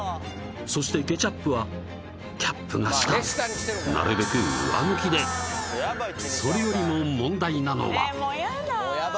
そしてケチャップはキャップが下なるべく上向きでそれよりも問題なのはもうやだ